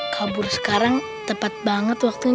kabur sekarang tepat banget waktunya